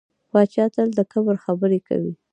پاچا تل د کبر خبرې کوي .